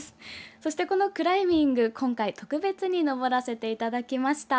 そして、このクライミング今回特別に登らせていただきました。